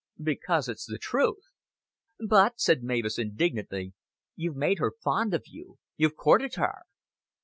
"Because it's the truth." "But," said Mavis, indignantly, "you've made her fond of you. You've courted her."